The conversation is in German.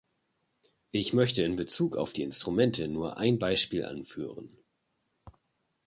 Ich möchte in Bezug auf die Instrumente nur ein Beispiel anführen.